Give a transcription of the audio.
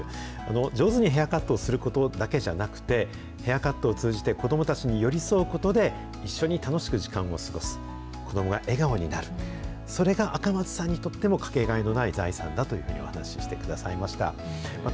上手にヘアカットをすることだけじゃなくて、ヘアカットを通じて子どもたちに寄り添うことで、一緒に楽しく時間を過ごす、子どもが笑顔になる、それが赤松さんにとっても掛けがえのない財産だというふうに、お話してくださいました。